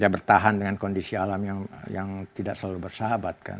dia bertahan dengan kondisi alam yang tidak selalu bersahabat